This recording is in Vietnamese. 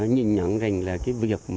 nhìn nhận rành là cái việc